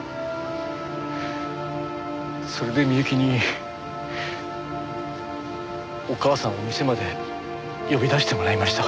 それで美雪にお母さんを店まで呼び出してもらいました。